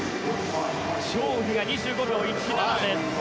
チョウ・ウヒが２５秒１７です。